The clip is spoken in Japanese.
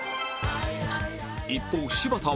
一方柴田は